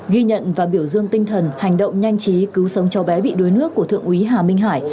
ghi nhận và biểu dương tinh thần hành động nhanh chí cứu sống cho bé bị đuối nước của thượng úy hà minh hải